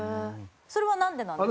それはなんでなんですか？